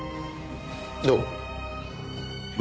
どうも。